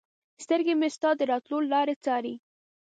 سترګې مې ستا د راتلو لارې څاري